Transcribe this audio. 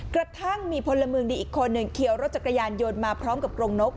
กระทั่งมีพลเมืองดีอีกคนหนึ่งขี่รถจักรยานยนต์มาพร้อมกับกรงนก